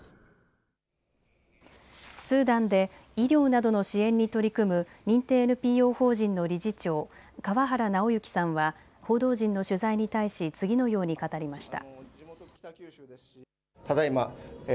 スーダンで医療などの支援に取り組む認定ＮＰＯ法人の理事長、川原尚行さんは報道陣の取材に対し、次のように語りました。